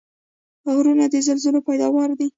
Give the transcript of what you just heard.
غرونه د زلزلو پیداوار دي.